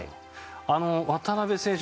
渡邊選手